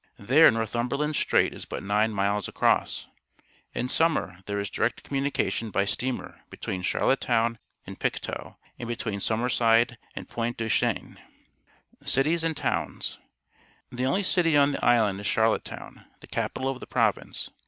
There Northumberland Strait is but nine miles across. In summer there is direct communication by steamer between Charlottetown and Pictou, and between Sum merside and Pointe du Chene. Cities and Towns. — The only city on the island is Charlottetown, the capital of the province.